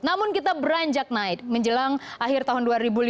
namun kita beranjak naik menjelang akhir tahun dua ribu lima belas